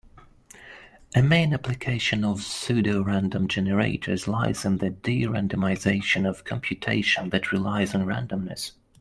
A main application of pseudorandom generators lies in the de-randomization of computation that relies on randomness.